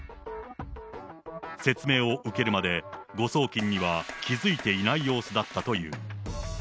説明を受けるまで、誤送金には気付いていない様子だったという。